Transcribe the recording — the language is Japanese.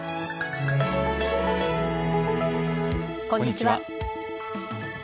こんにちは。